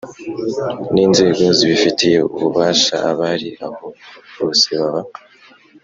N inzego zibifitiye ububasha abari aho bose baba